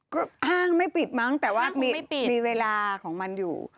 ก็ห้างไม่ปิดมั้งแต่ว่ามีเวลาของมันอยู่